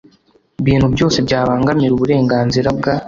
bintu byose byabangamira uburenganzira bwa